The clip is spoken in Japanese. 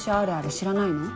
知らないの？